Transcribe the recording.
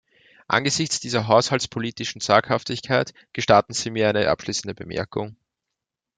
Angesichts dieser haushaltspolitischen Zaghaftigkeit gestatten Sie mir eine abschließende Bemerkung.